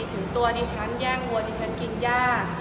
ถึงตัวดิฉันแย่งวัวดิฉันกินย่า